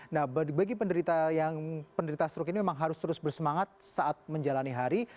nah bagi penderita stroke ini memang harus terus bersemangat saat menjalani hari